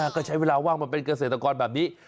ก็ใช้เวลาว่างมาเป็นเกษตรกรแบบนี้